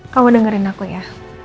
kamu dengerin aku ya